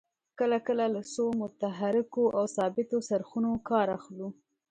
کله کله له څو متحرکو او ثابتو څرخونو کار اخلو.